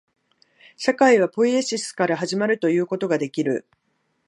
社会はポイエシスから始まるということができる。